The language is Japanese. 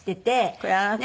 これあなた？